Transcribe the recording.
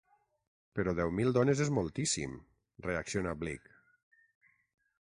Però deu mil dones és moltíssim! —reacciona Bligh—.